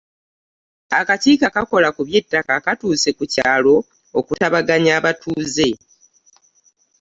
Akakiiko akakola ku by'ettaka katuuse ku kyalo okutabaganya abatuuze.